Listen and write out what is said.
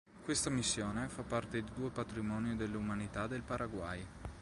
Questa missione fa parte dei due patrimoni dell'umanità del Paraguay.